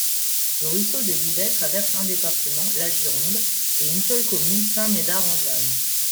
Le ruisseau de Bibey traverse un Département la Gironde et une seule commune Saint-Médard-en-Jalles.